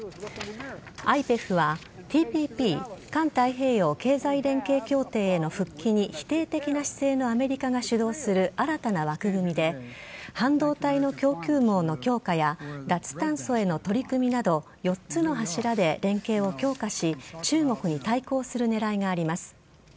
ＩＰＥＦはＴＰＰ＝環太平洋経済連携協定への復帰に否定的な姿勢のアメリカが主導する新たな枠組みで半導体の供給網の強化や脱炭素への取り組みなど４つの柱で連携を強化し中国に対抗する狙いがあります。